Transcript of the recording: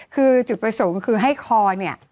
คือจุดประสงค์คือให้คอเนี่ย